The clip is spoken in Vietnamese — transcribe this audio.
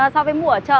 so với mùa ở chợ